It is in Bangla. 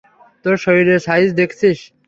তোর শরীরের সাইজ দেখেছিস?